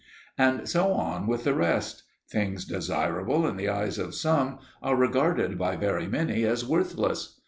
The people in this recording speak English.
And so on with the rest; things desirable in the eyes of some are regarded by very many as worthless.